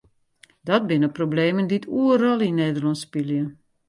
Dat binne problemen dy't oeral yn Nederlân spylje.